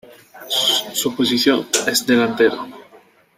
Su posición es delantero.